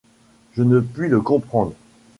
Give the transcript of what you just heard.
Je ne puis le comprendre